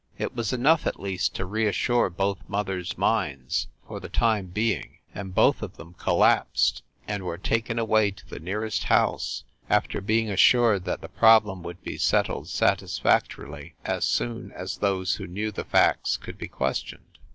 It was enough at least to reassure both mothers minds for the time being, and both of them collapsed and were taken away to the nearest house, after being assured that the problem would be settled satisfactorily as soon as those who knew the facts could be questioned.